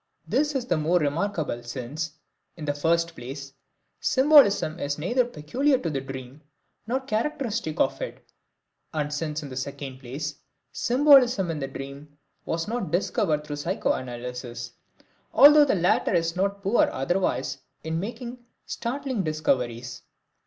This is the more remarkable since, in the first place, symbolism is neither peculiar to the dream nor characteristic of it, and since in the second place, symbolism in the dream was not discovered through psychoanalysis, although the latter is not poor otherwise in making startling discoveries.